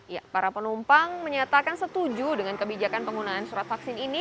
ya para penumpang menyatakan setuju dengan kebijakan penggunaan surat vaksin ini